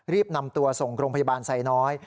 รีบนำตัวส่งโรงพยาบาลไซน้อย